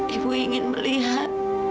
ibu ingin melihat